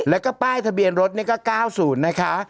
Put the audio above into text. แล้วก็ป้ายทะเบียนรถนี่ก็๙๐นะคะ